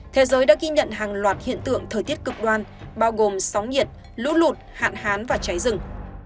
thế giới đã ghi nhận hàng loạt hiện tượng thời tiết cực đoan bao gồm sóng nhiệt lũ lụt hạn hán và cháy rừng